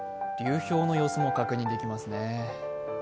流氷の様子が確認できますね。